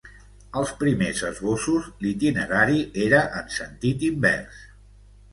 Als primers esbossos, l'itinerari era en sentit invers.